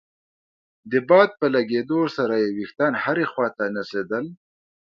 د باد په لګېدو سره يې ويښتان هرې خوا ته نڅېدل.